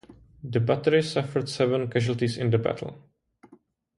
The battery suffered seven casualties in the battle.